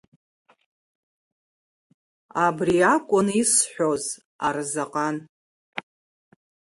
Абри акәын исҳәоз, Арзаҟан.